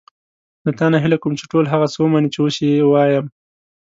له تا نه هیله کوم چې ټول هغه څه ومنې چې اوس یې وایم.